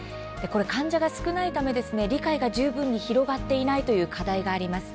患者が少ないため理解が十分に広がっていないという課題があります。